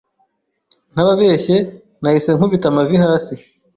ntababeshye nahise nkubita amavi hasi